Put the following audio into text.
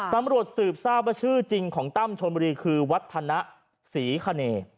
ตำรวจสืบทราบว่าชื่อจริงของตั้มชนบุรีคือวัฒนะศรีคเน